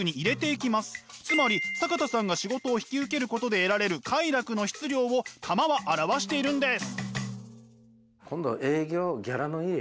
つまり坂田さんが仕事を引き受けることで得られる快楽の質量を玉は表しているんです。